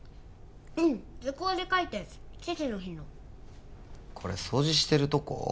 うん図工で描いたやつ父の日のこれ掃除してるとこ？